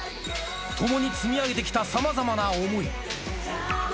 共に積み上げてきた、さまざまな想い。